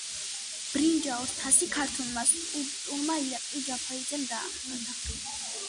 ბრინჯაოს თასი ქართველმა სკულპტორმა ირაკლი ჯაფარიძემ დაამზადა.